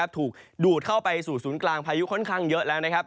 ถูกดูดเข้าไปสู่ศูนย์กลางพายุค่อนข้างเยอะแล้วนะครับ